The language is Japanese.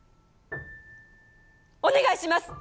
お願いします。